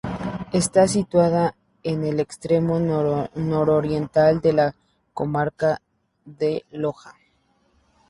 Está situada en el extremo nororiental de la comarca de Loja.